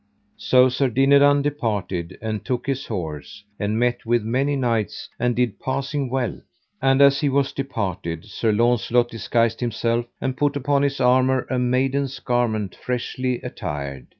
So Sir Dinadan departed and took his horse, and met with many knights, and did passing well. And as he was departed, Sir Launcelot disguised himself, and put upon his armour a maiden's garment freshly attired.